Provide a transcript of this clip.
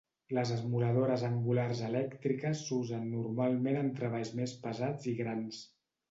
Les esmoladores angulars elèctriques s'usen normalment en treballs més pesats i grans.